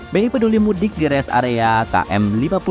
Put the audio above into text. bi peduli mudik di rest area km lima puluh